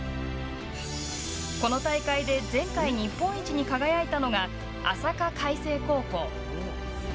この大会で前回日本一に輝いたのがあさか開成高校。